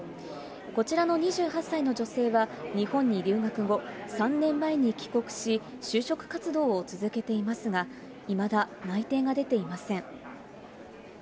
こちらの２８歳の女性は、日本に留学後、３年前に帰国し、就職活動を続けていますが、いまだ内定が出ていません。